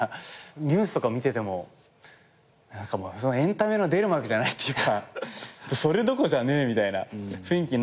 ニュースとか見ててもエンタメの出る幕じゃないというかそれどころじゃねえみたいな雰囲気になっちゃうとき